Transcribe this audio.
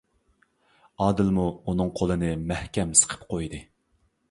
ئادىلمۇ ئۇنىڭ قولىنى مەھكەم سىقىپ قويدى.